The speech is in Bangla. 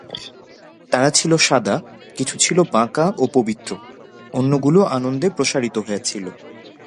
তারা ছিল সাদা, কিছু ছিল বাঁকা ও পবিত্র, অন্যগুলো আনন্দে প্রসারিত হয়েছিল।